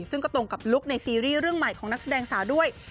ซึ่งก็ตรงกับลุคในซีรีส์เรื่องใหม่ของนักแสดงสาวด้วย